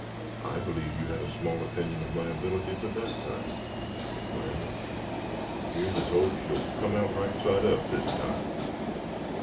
"I believe you had a small opinion of my abilities at that time." "Wal, yer's as hopes you'll come out right side up this time.